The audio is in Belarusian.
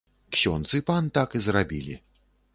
Ксёндз і пан так і зрабілі.